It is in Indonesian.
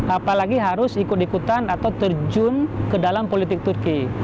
apalagi harus ikut ikutan atau terjun ke dalam politik turki